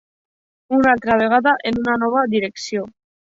Una altra vegada en una nova direcció!